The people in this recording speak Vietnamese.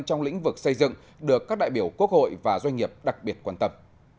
trong lĩnh vực xây dựng được các đại biểu quốc hội và doanh nghiệp đặc biệt quan tâm